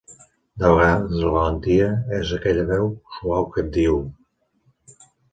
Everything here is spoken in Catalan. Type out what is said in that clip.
De vegades la valentia és aquella veu suau que et diu: